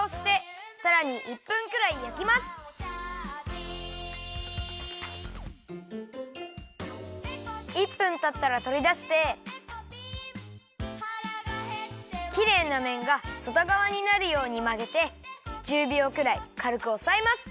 「チャージ」１分たったらとりだしてきれいなめんがそとがわになるようにまげて１０びょうくらいかるくおさえます！